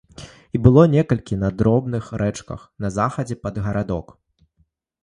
Іх было некалькі на дробных рэчках на захадзе пад гарадок.